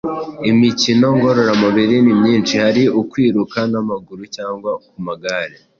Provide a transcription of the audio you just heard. Imikino ngororamubiri ni myinshi; Hari ukwiruka n’amaguru cyangwa ku magare,